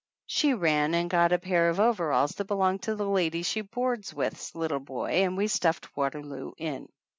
She ran and got a pair of overalls that belonged to the lady she boards with's little boy and we stuffed Waterloo in.